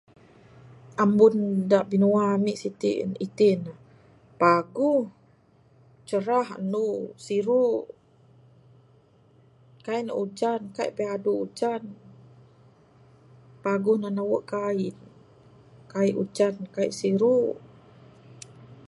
Ambun da binua ami siti itin ne paguh...cerah andu siru...kaii ne ujan kaii ne biadu ujan...paguh tinan nawe kain...kaii ujan kaii siru.